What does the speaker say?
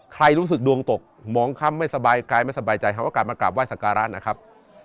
รู้สึกดวงตกมองค่ำไม่สบายกายไม่สบายใจเขาก็กลับมากราบไห้สักการะนะครับ